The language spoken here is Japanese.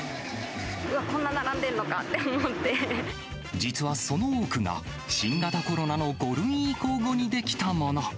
うわっ、こんな並んでるのか実はその多くが、新型コロナの５類移行後に出来たもの。